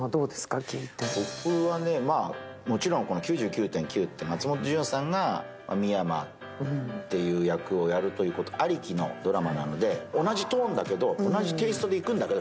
僕はね、もちろん「９９．９」って松本潤さんが深山をやることありきなので同じトーンだけど、同じテイストでいくんだけど